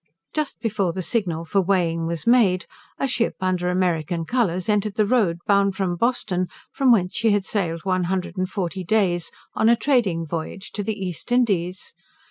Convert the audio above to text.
Just before the signal for weighing was made, a ship, under American colours, entered the road, bound from Boston, from whence she had sailed one hundred and forty days, on a trading voyage to the East Indies.